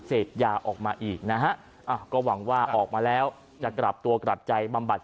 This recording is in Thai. เศษยาออกมาอีกนะฮะ